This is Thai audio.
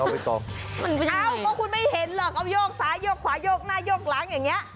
เอ้าก็คุณไม่เห็นหรอกโยกซ้ายโยกขวาโยกหน้าโยกหลังอย่างนี้